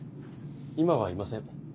今はいません